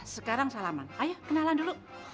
sekarang salaman ayo kenalan dulu